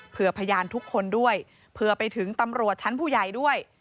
เพื่อพยานทุกคนด้วยเผื่อไปถึงตำรวจชั้นผู้ใหญ่ด้วย